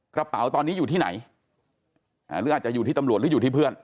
กระเป๋าตอนนี้อยู่ที่ไหนหรืออาจจะอยู่ที่ตำรวจหรืออยู่ที่เพื่อน